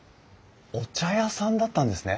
お茶屋さんだったんですね！